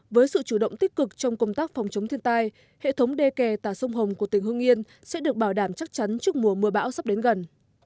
với sự chủ động tích cực trong công tác phòng chống thiên tai hệ thống đê kè tả sông hồng của tỉnh hương yên sẽ được bảo đảm chắc chắn trước mùa mưa bão sắp đến gần